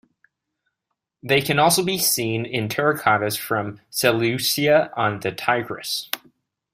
They can also be seen in terracottas from Seleucia on the Tigris.